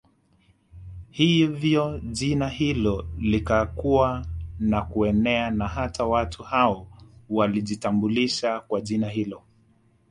Hivyo jina hilo likakua na kuenea na hata watu hao walijitambulisha kwa jina hilo